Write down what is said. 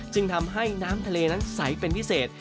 จึงทำให้น้ำทะเลนั้นใสเป็นพิเศษ